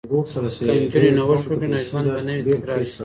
که نجونې نوښت وکړي نو ژوند به نه وي تکراري.